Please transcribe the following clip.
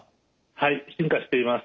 はい進化しています。